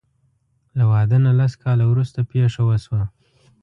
له واده نه لس کاله وروسته پېښه وشوه.